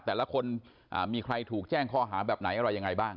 แต่ละคนมีใครถูกแจ้งข้อหาแบบไหนอะไรยังไงบ้าง